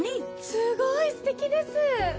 すごいすてきです！